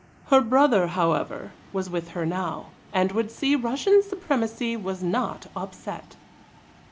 Her brother, however, was with her now, and would see Russian supremacy was not upset.